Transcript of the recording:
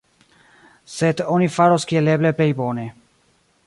Sed oni faros kiel eble plej bone.